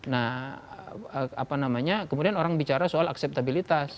nah apa namanya kemudian orang bicara soal akseptabilitas